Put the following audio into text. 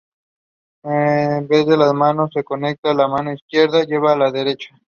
Esta vez las manos se conectan, la mano izquierda lleva a la derecha.